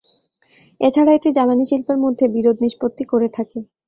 এছাড়া এটি জ্বালানি শিল্পের মধ্যে বিরোধ নিষ্পত্তি করে থাকে।